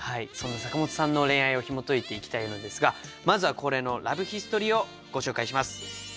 そんな坂本さんの恋愛をひもといていきたいのですがまずは恒例のラブヒストリーをご紹介します。